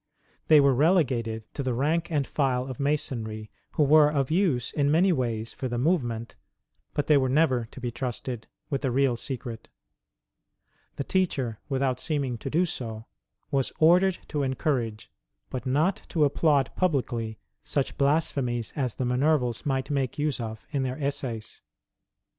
They were relegated to THE ILLUMINISM OF ADAM WEISHAUPT, 33 the rank and file of Masonry, who were of use in many ways for the movement, but they were never to be trusted witli the real secret. The teacher, without seeming to do so, was ordered to encourage, but not to applaud publicly, such blasphemies as the Minervals might make use of in their essays.